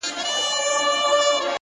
هغه ليوني ټوله زار مات کړی دی.